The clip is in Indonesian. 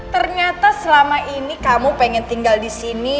ternyata selama ini kamu pengen tinggal di sini